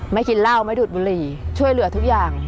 กินเหล้าไม่ดูดบุหรี่ช่วยเหลือทุกอย่าง